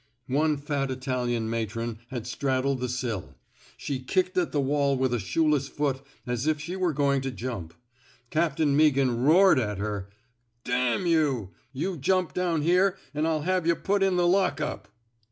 One fat Ital 183 { THE SMOKE EATEES ian matron had straddled the sill; she kicked at the wall with a shoeless foot as if she were going to jump. Captain Mea ghan roared at her: D you! You jump down here an* I'll have yuh put in the lock up!''